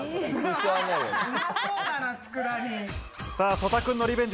曽田君のリベンジ。